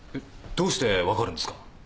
どうしてわかるんですか？